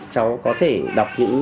cháu có thể đọc những quyển chuyện